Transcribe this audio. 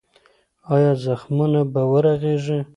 ایا زخمونه به ورغېږي؟